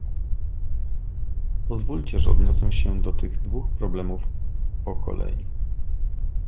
Pozwólcie, że odniosę się to tych dwóch problemów po kolei